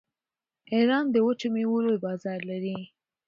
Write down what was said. ایران د وچو میوو لوی بازار لري.